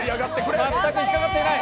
全く引っ掛かっていない！